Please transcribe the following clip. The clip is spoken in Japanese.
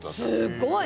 すごい。